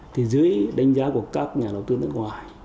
thì dưới đánh giá của các nhà đầu tư nước ngoài